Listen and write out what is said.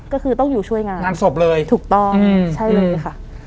ก็คือต้องอยู่ช่วยงานงานศพเลยถูกต้องใช่เลยค่ะ